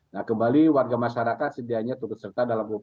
nah kembali warga masyarakat sedianya turut serta dalam operasi